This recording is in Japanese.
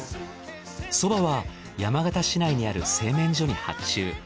そばは山形市内にある製麺所に発注。